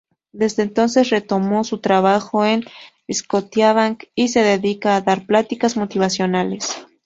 Desde entonces retomó su trabajo en Scotiabank y se dedica a dar pláticas motivacionales.